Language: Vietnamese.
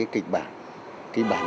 hai kịch bản kịch bản